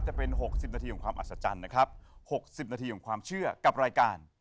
จะเป็น๖๐นาทีของความอัศจรรย์นะครับ๖๐นาทีของความเชื่อกับรายการ